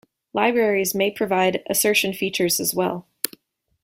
Libraries may provide assertion features as well.